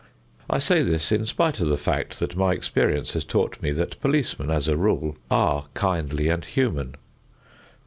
I say this in spite of the fact that my experience has taught me that policemen, as a rule, are kindly and human.